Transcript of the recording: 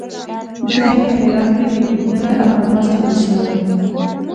دی په هرات کې زیږېدلی او همالته لوی شوی.